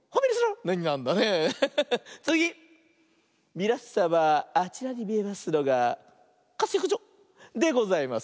みなさまあちらにみえますのが「かすよくじょ」でございます。